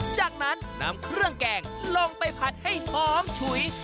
จากนั้นนำเครื่องแกงลงไปผัดให้หอมฉุย